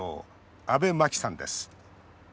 阿部真紀さんです。